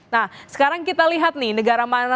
nah sekarang kita akan mencari pengetahuan tentang